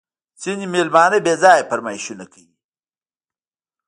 ځیني مېلمانه بېځایه فرمایشونه کوي